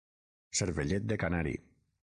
Cervellet de canari.